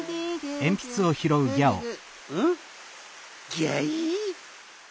ギャイ？